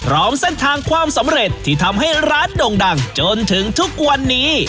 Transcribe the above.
พร้อมเส้นทางความสำเร็จที่ทำให้ร้านโด่งดังจนถึงทุกวันนี้